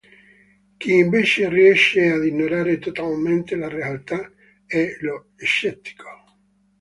Chi invece riesce ad ignorare totalmente la realtà è lo "scettico".